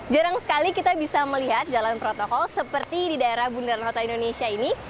jarang sekali kita bisa melihat jalan protokol seperti di daerah bundaran hotel indonesia ini